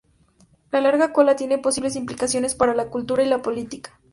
La larga cola tiene posibles implicaciones para la cultura y la política.